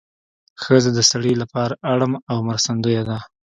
ښځه د سړي لپاره اړم او مرستندویه ده